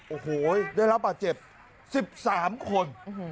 โอ้โหได้รับประเจ็บสิบสามคน